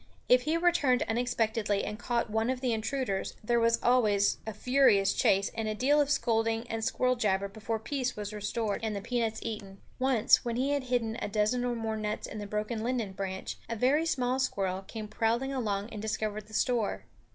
If he returned unexpectedly and caught one of the intruders, there was always a furious chase and a deal of scolding and squirrel jabber before peace was restored and the peanuts eaten. Once, when he had hidden a dozen or more nuts in the broken linden branch, a very small squirrel came prowling along and discovered the store.